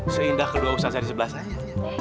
seindah kedua ustazah di sebelah saya